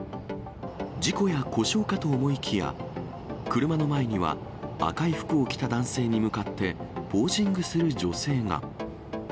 事故や故障かと思いきや、車の前には赤い服を着た男性に向かって、ポージングする女性が。